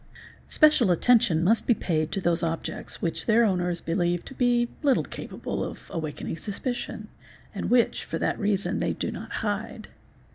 Df Special attention must be paid to those objects which their owners | believe to be little capable of awaking suspicion and which for that reason they do not hide.